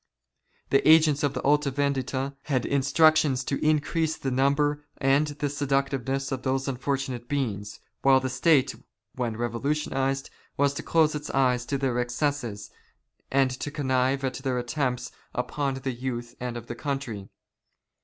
The agents of the Alta Vendita had instructions to increase the number and the seductiveness of those unfortunate beings, while the State, when revolutionized, was to close its eyes to their excesses, and to connive at their attempts upon the youth of the country.